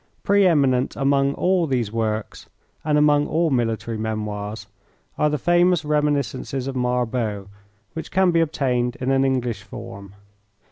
Pre eminent among all these works, and among all military memoirs, are the famous reminiscences of Marbot, which can be obtained in an English form.